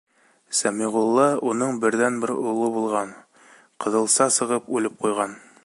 Сәмиғулла уның берҙән-бер улы булған, ҡыҙылса сығып үлеп ҡуйған.